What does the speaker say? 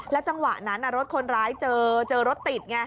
จังหวะนั้นรถคนร้ายเจอรถติดไง